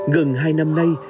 gần hai năm nay